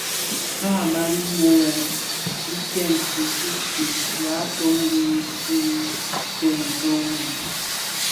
Bààban inë le i ken, i sugtii, yaa tôg bì ki teri ntó wu mum.